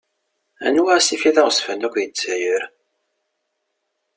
Anwa asif i d aɣezzfan akk di Lezzayer?